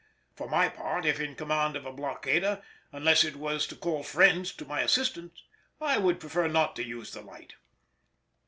For my part, if in command of a blockader, unless it was to call friends to my assistance, I would prefer not to use the light.